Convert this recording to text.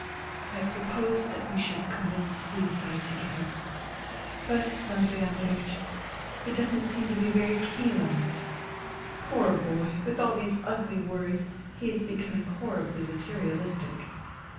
I proposed that we should commit suicide together. But, Andrei Andreiech, he doesn't seem to be very keen on it. Poor boy, with all these ugly worries he is becoming horribly materialistic."